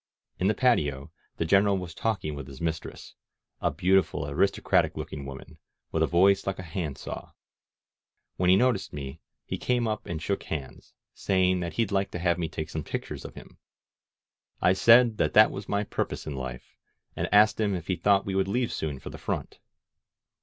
In the patio the Gen eral was talking with his mistress, a beautiful, aristo cratic looking woman, with a voice like a hand saw. When he noticed me he came up and shook hands, say ing that he'd like to have me take some pictures of him. I said that that was my purpose in life, and asked him if he thought he would leave soon for the front.